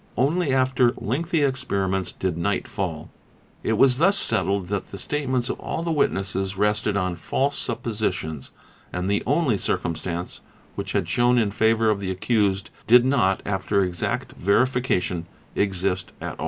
Only after lengthy experiments did night fall. It was thus settled that the statements of all the witnesses rested on false suppositions and the only circumstance which had shown in favour of the accused did not, after exact verification, exist at all.